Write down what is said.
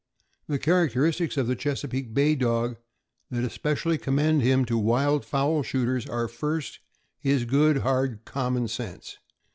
The characteristics of the Chesapeake Bay Dog that especially commend him to wild fowl shooters are, first, his good, hard common sense.